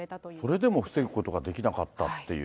それでも防ぐことができなかったっていう。